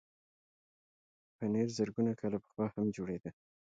پنېر زرګونه کاله پخوا هم جوړېده.